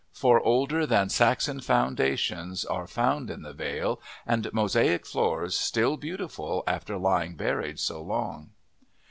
For older than Saxon foundations are found in the vale, and mosaic floors, still beautiful after lying buried so long.